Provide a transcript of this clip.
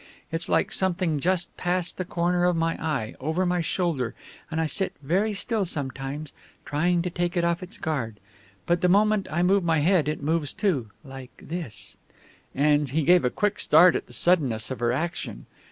It's like something just past the corner of my eye, over my shoulder, and I sit very still sometimes, trying to take it off its guard. But the moment I move my head it moves too like this " Again he gave a quick start at the suddenness of her action.